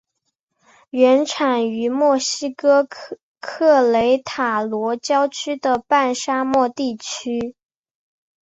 原产于墨西哥克雷塔罗郊区的半沙漠地区。